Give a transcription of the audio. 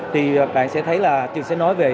thì bạn sẽ thấy là trường sẽ nói về